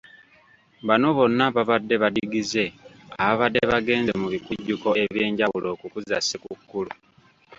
Bano bonna babadde badigize ababadde bagenze ku bikujjuko eby'enjawulo okukuza ssekukkulu.